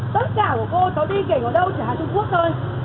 tất cả của cô tụi đi kìa ở đâu chứ ở trung quốc thôi